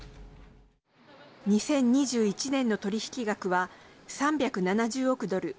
２０２１年の取引額は３７０億ドル